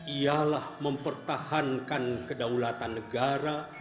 ialah mempertahankan kedaulatan negara